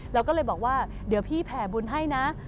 เราก็เลยบอกว่าเดี๋ยวพี่แผ่บุญให้นะ